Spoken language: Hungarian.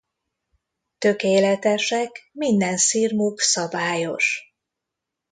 Tökéletesek, minden szirmuk szabályos.